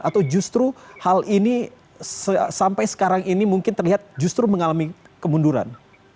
atau justru hal ini sampai sekarang ini mungkin terlihat justru mengalami kemunduran